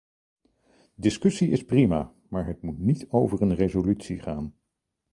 Discussie is prima, maar het moet niet over een resolutie gaan.